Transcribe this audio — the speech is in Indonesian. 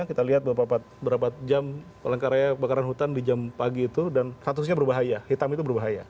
kita lihat berapa jam palangkaraya kebakaran hutan di jam pagi itu dan statusnya berbahaya hitam itu berbahaya